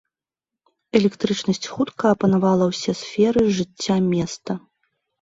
Электрычнасць хутка апанавала ўсе сферы жыцця места.